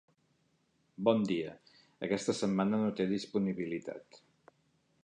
Bon dia, aquesta setmana no té disponibilitat.